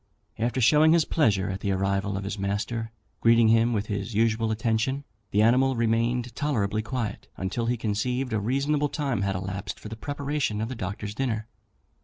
After showing his pleasure at the arrival of his master, greeting him with his usual attention, the animal remained tolerably quiet until he conceived a reasonable time had elapsed for the preparation of the Doctor's dinner.